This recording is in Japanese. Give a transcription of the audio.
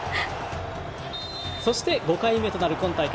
そして５回目となる今大会。